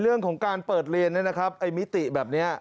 เรื่องของการเปิดเรียนนะครับไอ้มิติแบบนี้